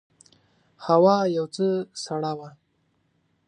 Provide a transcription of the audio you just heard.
هوا یو څه سړه وه.